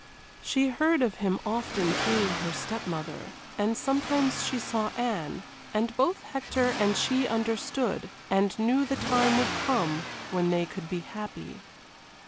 She heard of him often through her step mother; and sometimes she saw Anne and both Hector and she understood, and knew the time would come when they could be happy.